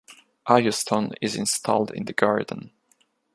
Iyo Stone is installed in the garden.